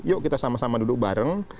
yuk kita sama sama duduk bareng